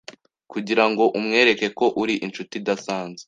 kugira ngo umwereke ko uri inshuti idasanzwe